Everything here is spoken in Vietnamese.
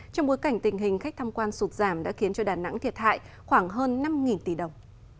trong bối cảnh tình hình khách tham quan sụt giảm đã khiến cho đà nẵng thiệt hại khoảng hơn năm tỷ đồng